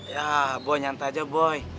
ya boy nyanta aja boy